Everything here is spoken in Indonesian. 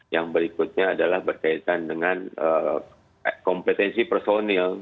yang berikutnya adalah berkaitan dengan kompetensi personil